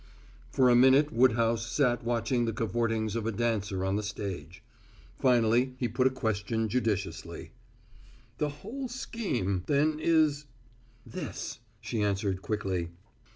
For a minute Woodhouse sat watching the cavortings of a dancer on the stage. Finally he put a question judiciously: "The whole scheme, then, is " "This," she answered quickly.